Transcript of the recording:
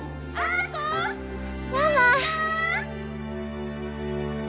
ママ！